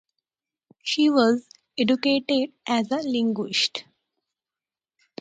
She was educated as a linguist.